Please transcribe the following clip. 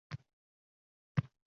Kulcha yuz xaloyiqqa tik qaramadi.